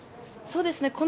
そうですね。